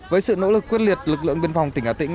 với sự nỗ lực quyết liệt lực lượng biên phòng tỉnh hà tĩnh